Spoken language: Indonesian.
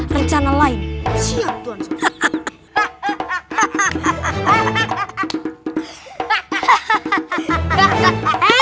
rencana lain siap tuan sopri